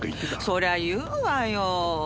そりゃあ言うわよ。